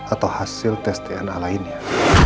atau hasil tes dna lainnya